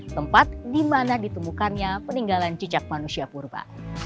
tempat di mana ditemukannya peninggalan jejak manusia purba